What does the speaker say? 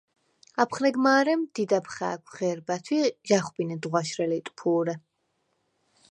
აფხნეგ მა̄რემ დიდა̈ბ ხა̄̈ქვ ღე̄რბათვ ი ჟ’ა̈ხვბინედ ღვაშრე ლიტფუ̄რე.